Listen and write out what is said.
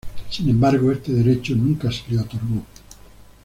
Sin embargo, este derecho nunca se le otorgó.